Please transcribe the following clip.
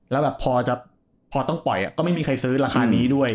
แล้วแบบพอต้องปล่อยก็ไม่มีใครซื้อราคานี้ด้วย